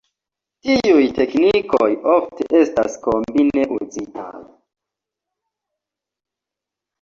Tiuj teknikoj ofte estas kombine uzitaj.